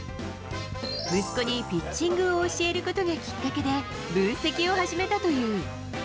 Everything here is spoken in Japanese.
息子にピッチングを教えることがきっかけで、分析を始めたという。